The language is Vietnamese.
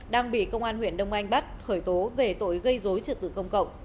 đang bị công an huyện đông anh bắt khởi tố về tội gây dối trật tự công cộng